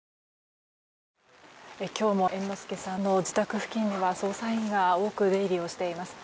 今日も猿之助さんの自宅付近には捜査員が多く出入りをしています。